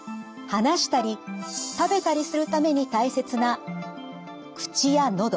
話したり食べたりするために大切な口や喉。